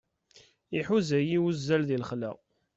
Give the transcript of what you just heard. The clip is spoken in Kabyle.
Iḥuza-yi uzal di lexla.